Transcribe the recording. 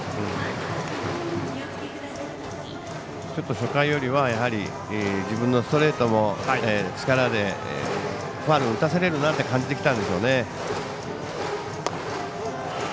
初回よりは、やはり自分のストレートも力でファウルを打たされるなと感じてきたんでしょうね。